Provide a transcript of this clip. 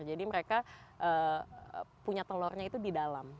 jadi mereka punya telurnya itu di dalam